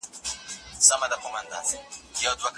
خاوند ولي بايد مېرمني ته خاصه تحفه ورکړي؟